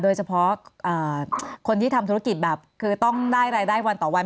โดยเฉพาะคนที่ทำธุรกิจแบบคือต้องได้รายได้วันต่อวัน